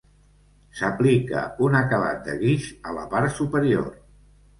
S'aplica un acabat de guix a la part superior.